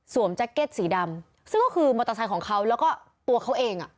แจ็คเก็ตสีดำซึ่งก็คือมอเตอร์ไซค์ของเขาแล้วก็ตัวเขาเองอ่ะ